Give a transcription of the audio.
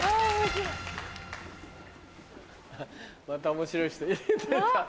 また面白い人出た！